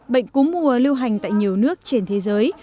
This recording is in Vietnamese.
bệnh cú mùa lưu hành tại nhiều nước trên thế giới